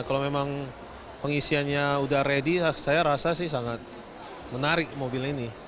kalau memang pengisiannya udah ready saya rasa sih sangat menarik mobil ini